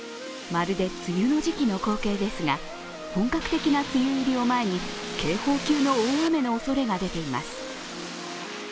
まるで梅雨の時期の光景ですが本格的な梅雨入りを前に警報級の大雨のおそれが出ています。